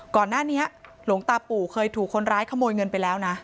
ก่อนหน้านี้หลวงตาปู่เคยถูกคนร้ายขโมยเงินไปแล้วนะ